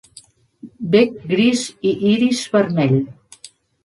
Bec gris i iris vermell.